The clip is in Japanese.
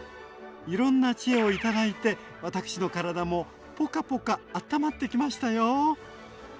いろんな知恵を頂いて私の体もポカポカあったまってきましたよ！